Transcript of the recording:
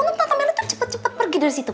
untung tante melly tuh cepet cepet pergi dari situ